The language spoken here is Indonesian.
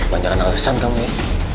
banyak anak anak kesan kamu ya